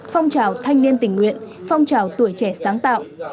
phong trào thanh niên tình nguyện phong trào tuổi trẻ sáng tạo